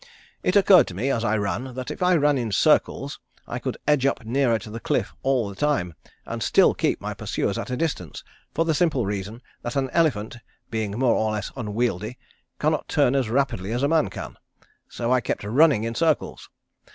It occurred to me as I ran that if I ran in circles I could edge up nearer to the cliff all the time, and still keep my pursuers at a distance for the simple reason that an elephant being more or less unwieldy cannot turn as rapidly as a man can, so I kept running in circles.